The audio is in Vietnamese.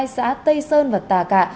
hai xã tây sơn và tà cạ